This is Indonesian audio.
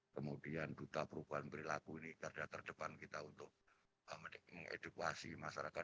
kemudian duta perubahan perilaku ini garda terdepan kita untuk mengedukasi masyarakat